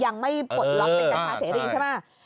ยังไม่เปิดล็อกเป็นกัญชาเซรีโรครับ